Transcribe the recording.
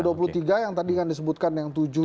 ada dua puluh tiga yang tadi kan disebutkan yang tujuh